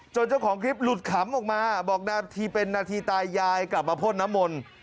เจ้าของคลิปหลุดขำออกมาบอกนาทีเป็นนาทีตายยายกลับมาพ่นน้ำมนต์